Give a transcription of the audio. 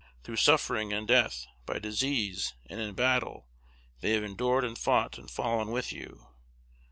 Through suffering and death, by disease and in battle, they have endured and fought and fallen with you.